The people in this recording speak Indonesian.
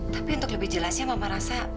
tapi untuk lebih jelasnya mama rasa